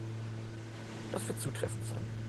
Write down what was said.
Das wird zutreffend sein.